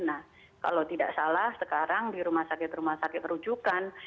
nah kalau tidak salah sekarang di rumah sakit rumah sakit rujukan